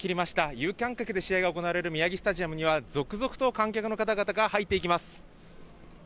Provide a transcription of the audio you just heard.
有観客で試合が行われる宮城スタジアムには、続々と観客の方々が入っていきます。